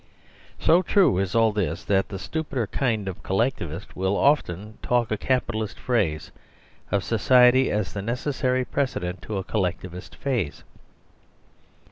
So true is all this that the stupider kind of Col lectivist will often talk of a " Capitalist phase " of society as the necessary precedent to a " Collectivist phase."